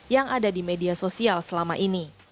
yang ada di media sosial selama ini